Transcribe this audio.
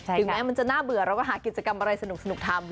ถึงแม้มันจะน่าเบื่อเราก็หากิจกรรมอะไรสนุกทำ